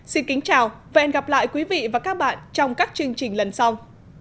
xin kính chào và hẹn gặp lại quý vị và các bạn trong các chương trình lần sau